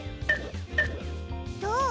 どう？